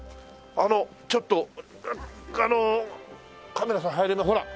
あのちょっとあのカメラさんほら。